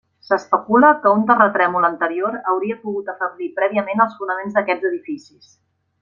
S'especula que un terratrèmol anterior hauria pogut afeblir prèviament els fonaments d'aquests edificis.